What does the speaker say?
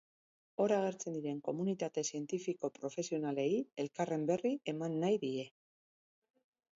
Hor agertzen diren komunitate zientifiko-profesionalei elkarren berri eman nahi die.